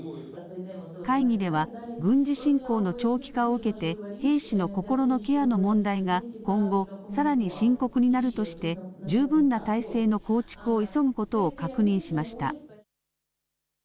会議では軍事侵攻の長期化を受けて兵士の心のケアの問題が今後、さらに深刻になるとして十分な体制の構築を急ぐことを確認しました。